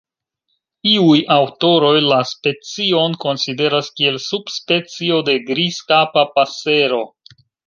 Iuj aŭtoroj la specion konsideras kiel subspecio de Grizkapa pasero.